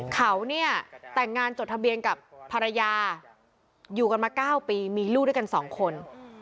เขาเนี่ยแต่งงานจดทะเบียนกับภรรยาอยู่กันมา๙ปีมีลูกด้วยกัน๒คน